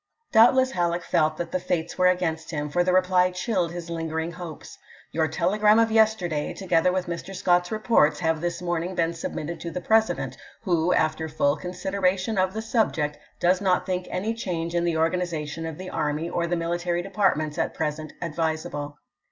Doubtless Halleck felt that the Fates were ^p.'eL"" against him, for the reply chilled his lingering hopes :" Your telegram of yesterday, together with Mr. Scott's reports, have this morning been sub mitted to the President, who, after full considera tion of the subject, does not think any change in the organization of the army or the military de partments at present advisable.